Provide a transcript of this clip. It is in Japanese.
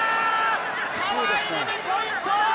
川井に２ポイント。